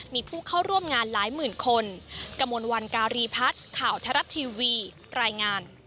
มีผู้เข้าร่วมงานหลายหมื่นคน